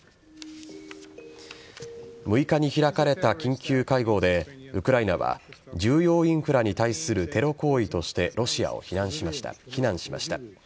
６日に開かれた緊急会合でウクライナは重要インフラに対するテロ行為としてロシアを非難しました。